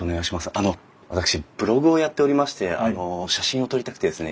あの私ブログをやっておりましてあの写真を撮りたくてですね